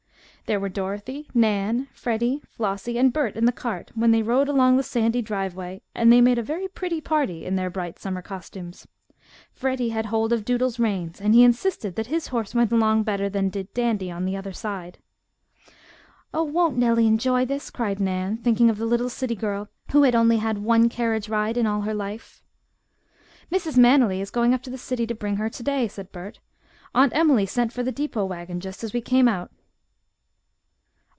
There were Dorothy, Nan, Freddie, Flossie, and Bert in the cart when they rode along the sandy driveway, and they made a very pretty party in their bright summer costumes. Freddie had hold of Doodle's reins, and he insisted that his horse went along better than did Dandy, on the other side. "Oh, won't Nellie enjoy this!" cried Nan, thinking of the little city girl who had only had one carriage ride in all her life. "Mrs. Manily is going up to the city to bring her to day," said Bert. "Aunt Emily sent for the depot wagon just as we came out."